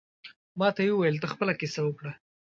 ماته یې ویل ته خپله کیسه وکړه.